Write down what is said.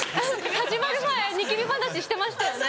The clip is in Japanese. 始まる前ニキビ話してましたよね。